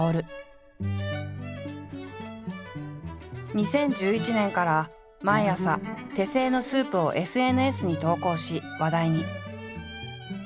２０１１年から毎朝手製のスープをＳＮＳに投稿し話題に。